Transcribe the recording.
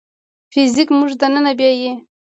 فزیک موږ دننه بیايي.